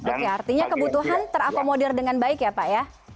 oke artinya kebutuhan terakomodir dengan baik ya pak ya